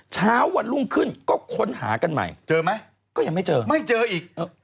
เช้าวันรุ่งขึ้นก็ค้นหากันใหม่เจอไหมก็ยังไม่เจอไม่เจออีก